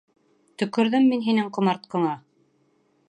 Төкөрҙөм мин һинең ҡомартҡыңа!